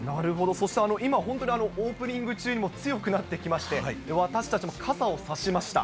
そして今、本当にオープニング中にも強くなってきまして、私たちも傘を差しました。